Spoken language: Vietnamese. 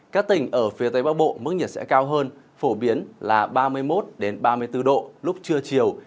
các tỉnh ở phía tây bắc bộ mức nhiệt sẽ cao hơn phổ biến là ba mươi một ba mươi bốn độ lúc trưa chiều